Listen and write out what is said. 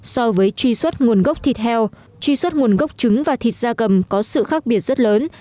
so với truy xuất nguồn gốc thịt heo truy xuất nguồn gốc trứng và thịt da cầm có sự khác biệt rất lớn